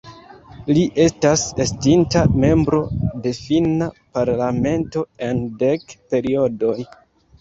Li estas estinta membro de finna parlamento en dek periodoj.